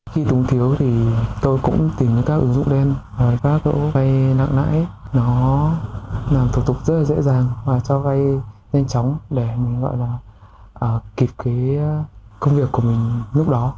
khi túng thiếu thì tôi cũng tìm được các ứng dụng đen và các đội vay nặng nãi nó làm thủ tục rất dễ dàng và cho vay nhanh chóng để mình gọi là kịp công việc của mình lúc đó